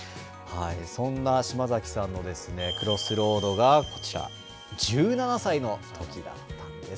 そんな島崎さんのＣｒｏｓｓｒｏａｄがこちら、１７歳のときだったんです。